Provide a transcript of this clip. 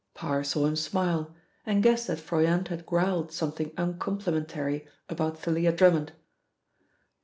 Parr saw him smile, and guessed that Froyant had growled something uncomplimentary about Thalia Drummond.